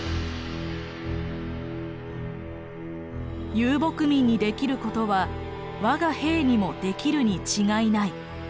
「遊牧民にできることは我が兵にもできるに違いない」